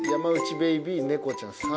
ベビー猫ちゃん３。